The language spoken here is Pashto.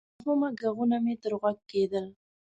بې مفهومه ږغونه مې تر غوږ کېدل.